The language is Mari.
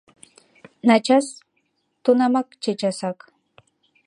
Начас — тунамак, чечасак.